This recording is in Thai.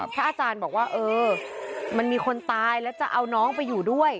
พระอาจารย์บอกว่าเออมันมีคนตายแล้วจะเอาน้องไปอยู่ด้วย